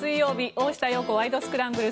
「大下容子ワイド！スクランブル」。